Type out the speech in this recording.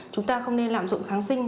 chúng ta không nên lạm dụng kháng sinh